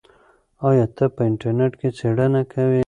آیا ته په انټرنیټ کې څېړنه کوې؟